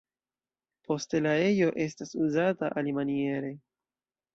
Poste la ejo estas uzata alimaniere.